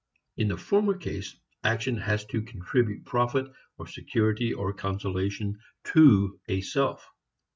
In the former case, action has to contribute profit or security or consolation to a self.